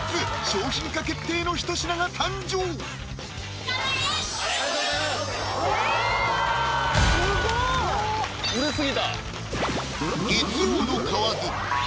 商品化決定の一品が誕生完売です